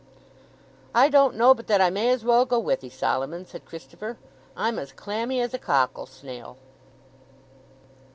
"I don't know but that I may as well go with 'ee, Solomon," said Christopher; "I'm as clammy as a cockle snail."